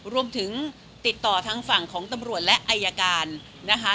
รวมถึงติดต่อทางฝั่งของตำรวจและอายการนะคะ